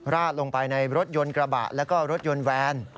ราดลงไปในรถยนต์กระบะแล้วก็รถยนต์แวน